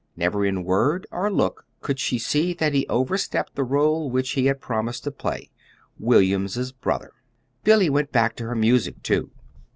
Never, in word or look, could she see that he overstepped the role which he had promised to play William's brother. Billy went back to her music, too.